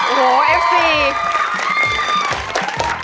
โอ้โหเอฟซี